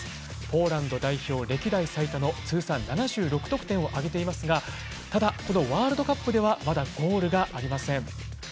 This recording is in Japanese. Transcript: ポーランド代表歴代最多の通算７６得点を挙げていますがただこのワールドカップではまだゴールがありません。